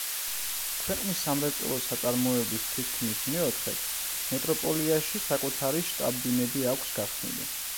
ქვეყნის სამრეწველო საწარმოების თითქმის მეოთხედს მეტროპოლიაში საკუთარი შტაბ-ბინები აქვს გახსნილი.